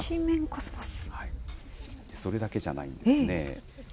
それだけじゃないんですね。